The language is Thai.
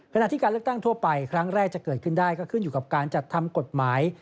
ขณะที่การเลือกตั้งทั่วไปครั้งแรกจะเกิดขึ้นได้ก็ขึ้นอยู่กับการจัดทำกฎหมาย